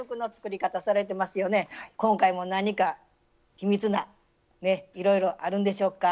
今回も何か秘密がいろいろあるんでしょうか？